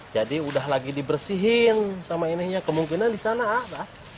jadi udah lagi dibersihin sama ini ya kemungkinan disana ah bah